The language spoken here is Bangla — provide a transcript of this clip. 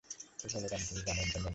তো, বলরাম, তুমি জানো ইন্টারনেট কী?